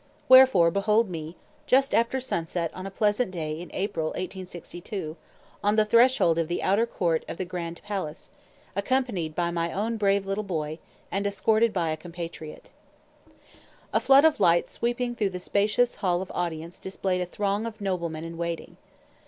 Wherefore, behold me, just after sunset on a pleasant day in April, 1862, on the threshold of the outer court of the Grand Palace, accompanied by my own brave little boy, and escorted by a compatriot. A flood of light sweeping through the spacious Hall of Audience displayed a throng of noblemen in waiting.